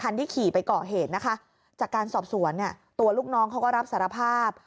ที่ขี่ไปก่อเหตุนะคะจากการสอบสวนเนี่ยตัวลูกน้องเขาก็รับสารภาพ